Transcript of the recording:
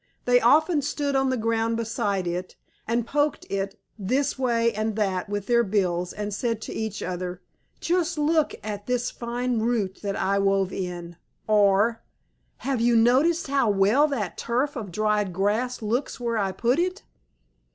They often stood on the ground beside it, and poked it this way and that with their bills, and said to each other, "Just look at this fine root that I wove in," or, "Have you noticed how well that tuft of dried grass looks where I put it?"